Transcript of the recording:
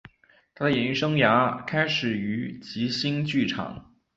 他的演艺生涯开始于即兴剧场。